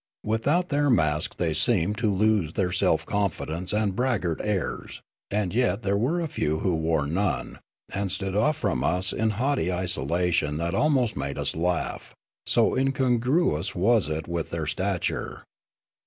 Without their masks they seemed to lose their self con fidence and braggart airs, and yet there were a few who wore none, and stood off from us in haughty isola tion that almost made us laugh, so incongruous was it with their stature.